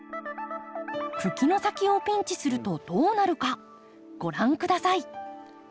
茎の先をピンチするとどうなるかご覧下さい。